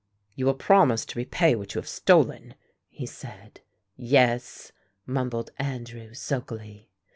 "You will promise to repay what you have stolen," he said. "Yes," mumbled Andrew sulkily.